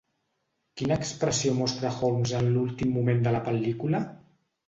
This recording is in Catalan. Quina expressió mostra Holmes en l'últim moment de la pel·lícula?